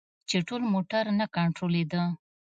چې ټول موټر نه کنترولیده.